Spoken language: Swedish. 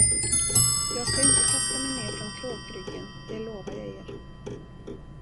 Jag ska inte kasta mig ner från kråkryggen, det lovar jag er.